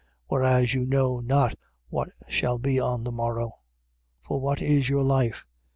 4:14. Whereas you know not what shall be on the morrow. 4:15. For what is your life?